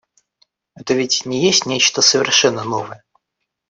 Это ведь не есть нечто совершенно новое.